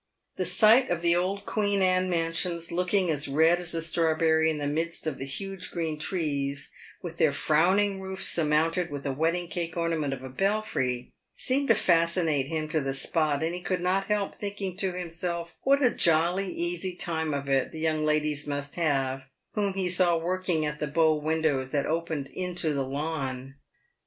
The sight of the old Queen Anne mansions, looking as red as a strawberry in the midst of the huge green trees, with their frowning roofs surmounted with a wedding cake ornament of a belfry, seemed to fascinate him to the spot, and he could not help thinking to himself what a "jolly easy time of it" the young ladies must have whom he saw working at the bow windows that opened into the lawn.